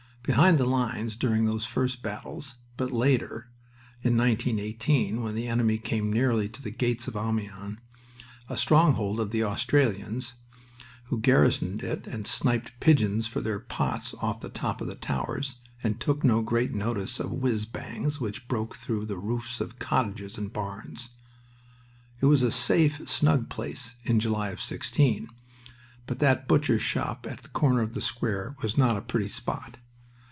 Behind the lines during those first battles, but later, in 1918, when the enemy came nearly to the gates of Amiens, a stronghold of the Australians, who garrisoned it and sniped pigeons for their pots off the top of the towers, and took no great notice of "whizz bangs" which broke through the roofs of cottages and barns. It was a safe, snug place in July of '16, but that Butcher's Shop at a corner of the square was not a pretty spot.